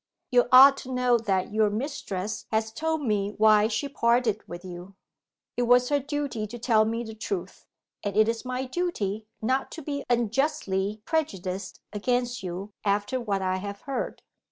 You ought to know that your mistress has told me why she parted with you. It was her duty to tell me the truth, and it is my duty not to be unjustly prejudiced against you after what I have heard.